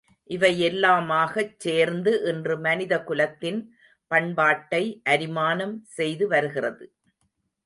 இவையெல்லாமாகச் சேர்ந்து இன்று மனித குலத்தின் பண்பாட்டை அரிமானம் செய்து வருகிறது.